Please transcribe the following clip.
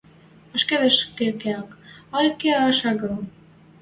— Паштекӹштӹ кеӓш, ӓль кеӓш агыл?»